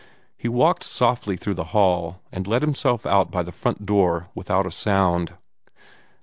He walked softly through the hall, and let himself out by the front door without a sound.